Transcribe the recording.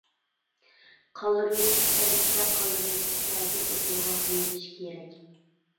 قالدۇرۇۋېتىش تەلىپىدە قالدۇرۇۋېتىش سەۋەبى ئوتتۇرىغا قويۇلۇشى كېرەك.